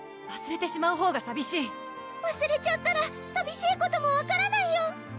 わすれてしまうほうがさびしいわすれちゃったらさびしいことも分からないよ！